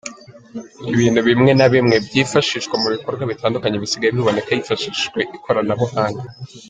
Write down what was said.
Ibintu bimwe na bimwe byifashishwaga mu bikorwa bitandukanye bisigaye biboneka hifashishijwe ikoranabuhanga